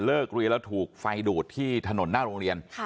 เรียนแล้วถูกไฟดูดที่ถนนหน้าโรงเรียน